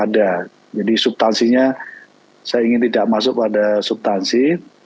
ada jadi subtansinya saya ingin tidak masuk pada subtansi